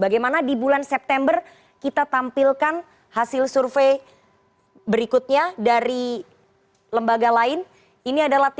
bagaimana di bulan september kita tampilkan hasil survei berikutnya dari lembaga lain ini adalah